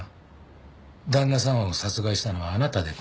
旦那さんを殺害したのはあなたですね？